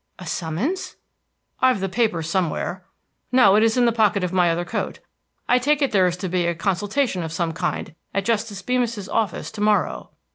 "A summons!" "I've the paper somewhere. No, it is in the pocket of my other coat. I take it there is to be a consultation of some kind at Justice Beemis's office to morrow."